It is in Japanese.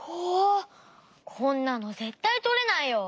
こんなのぜったいとれないよ！